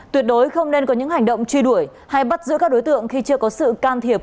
tuyệt đối không nên có những hành động truy đuổi hay bắt giữ các đối tượng khi chưa có sự can thiệp